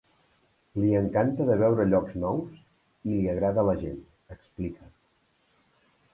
Li encanta de veure llocs nous i i li agrada la gent, explica.